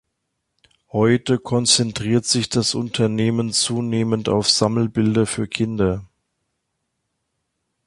Heute konzentriert sich das Unternehmen zunehmend auf Sammelbilder für Kinder.